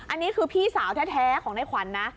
อันนี้คือพี่สาวแท้ของในขวัญนะ